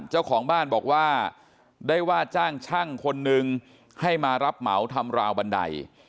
เจ้าของบ้านบอกว่าได้ว่าจ้างช่างคนนึงให้มารับเหมาทำราวบันได